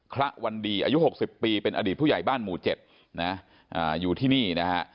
พระวันดีอายุ๖๐ปีเป็นอดีตผู้ใหญ่บ้านหมู่๗นะอยู่ที่นี่นะฮะ